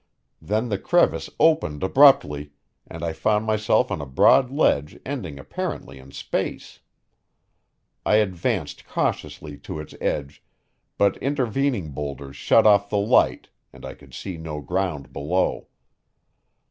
Then the crevice opened abruptly, and I found myself on a broad ledge ending apparently in space. I advanced cautiously to its edge, but intervening boulders shut off the light, and I could see no ground below.